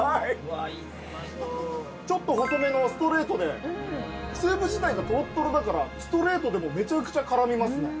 ちょっと細めのストレートでスープ自体がとろっとろだからストレートでもめちゃくちゃ絡みますね。